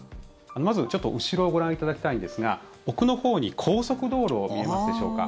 まず、ちょっと後ろをご覧いただきたいんですが奥のほうに高速道路が見えますでしょうか。